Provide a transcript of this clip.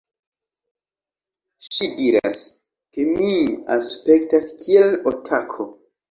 Ŝi diras, ke mi aspektas kiel otako